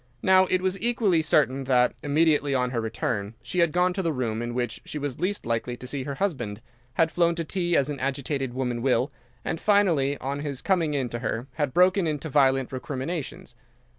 Now, it was equally certain that, immediately on her return, she had gone to the room in which she was least likely to see her husband, had flown to tea as an agitated woman will, and finally, on his coming in to her, had broken into violent recriminations.